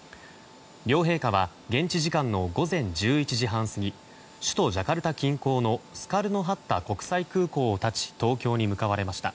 両陛下は現地時間の午前１１時半過ぎ首都ジャカルタ近郊のスカルノ・ハッタ国際空港を発ち東京に向かわれました。